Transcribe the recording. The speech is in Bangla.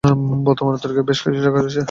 বর্তমানে এই তরিকার বেশ কিছু শাখা রয়েছে।